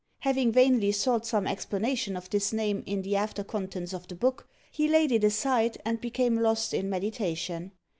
Having vainly sought some explanation of this name in the after contents of the book, he laid it aside, and became lost in meditation.